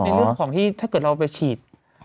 ในเรื่องของที่ถ้าเกิดเราไปฉีด